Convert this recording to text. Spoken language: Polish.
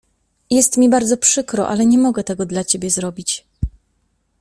Jest mi bardzo przykro, ale nie mogę tego dla Ciebie zrobić.